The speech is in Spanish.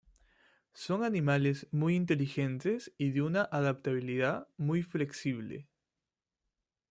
Son animales muy inteligentes y de una adaptabilidad muy flexible.